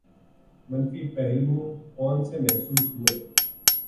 ، منفی پہلو کون سے محسوس ہوئے؟